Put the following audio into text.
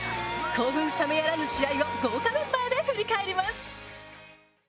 興奮冷めやらぬ試合を豪華メンバーで振り返ります。